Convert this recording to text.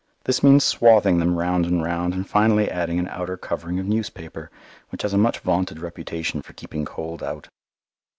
This means swathing them round and round, and finally adding an outer covering of newspaper, which has a much vaunted reputation for keeping cold out.